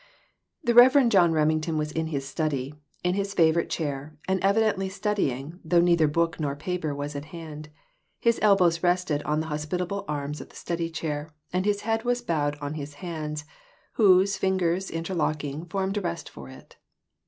THE Rev. John Remington was in his study, in his favorite chair, and evidently study ing, though neither book nor paper was at hand ; his elbows rested on the hospitable arms of the study chair, and his head was bowed on his hands, whose fingers, interlocking, formed a rest for it.